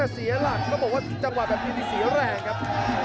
เสียร่างก็บอกว่าจังหวะแบบนี้มีเสียแรงครับ